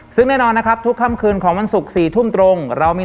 ซึ่งแน่นอนนะครับทุกค่ำคืนของวันศุกร์๔ทุ่มตรงเรามี